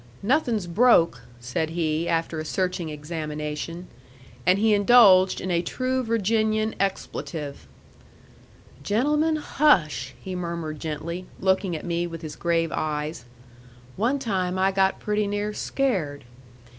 "Nothing's broke," said he, after a searching examination. And he indulged in a true Virginian expletive. "Gentlemen, hush!" he murmured gently, looking at me with his grave eyes; "one time I got pretty near scared.